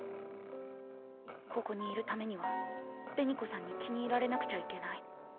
ここにいるためには紅子さんに気に入られなくちゃいけない。